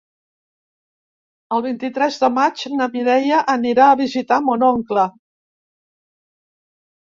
El vint-i-tres de maig na Mireia anirà a visitar mon oncle.